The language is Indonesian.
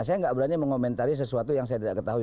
saya nggak berani mengomentari sesuatu yang saya tidak ketahui